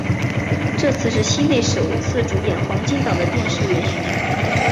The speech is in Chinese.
这次是西内首次主演黄金档的电视连续剧。